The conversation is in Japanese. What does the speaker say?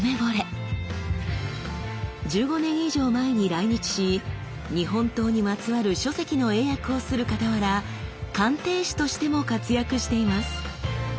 １５年以上前に来日し日本刀にまつわる書籍の英訳をするかたわら鑑定士としても活躍しています。